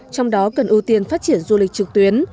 trong đó cần ưu tiên phát triển du lịch trực tuyến